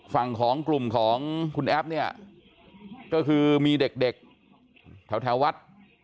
ฝั่งของกลุ่มของคุณแอฟเนี่ยก็คือมีเด็กแถววัด